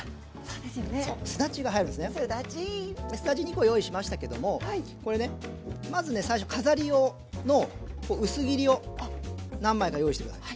すだち２コ用意しましたけどもこれねまずね最初飾り用の薄切りを何枚か用意してください。